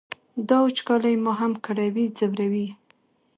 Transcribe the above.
دا وچکالي ما هم کړوي ځوروي یې.